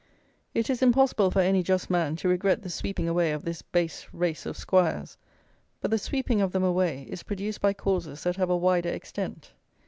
It is impossible for any just man to regret the sweeping away of this base race of Squires; but the sweeping of them away is produced by causes that have a wider extent.